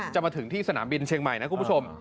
จะมาถึงที่สนามบินเชียงใหม่นะคุณผู้ชม